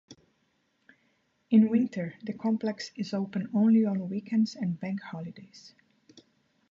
In winter, the complex is open only on weekends and bank holidays.